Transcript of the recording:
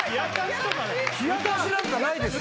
冷やかしなんかないですよ